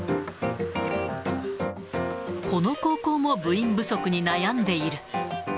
この高校も部員不足に悩んでいる。